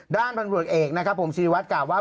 ด้านปรากฏเอกนะครับสิริวัตรกล่าวว่า